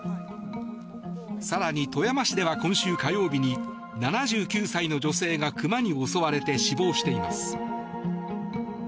更に富山市では今週火曜日に７９歳の女性が熊に襲われて死亡しています。